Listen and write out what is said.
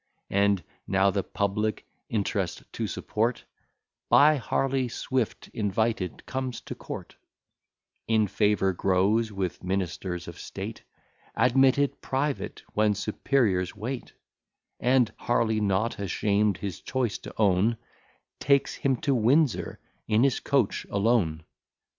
And now, the public Int'rest to support, By Harley Swift invited, comes to court; In favour grows with ministers of state; Admitted private, when superiors wait: And Harley, not ashamed his choice to own, Takes him to Windsor in his coach alone.